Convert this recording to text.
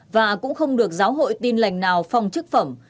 và cũng không được giáo hội tin lành nào phong chức phẩm